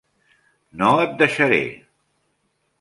No et deixaré.